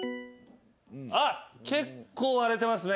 あっ結構割れてますね。